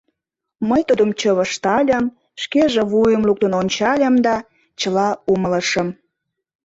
Мый тудым чывыштальым, шкеже вуйым луктын ончальым да... чыла умылышым.